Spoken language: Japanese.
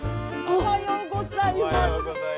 おはようございます。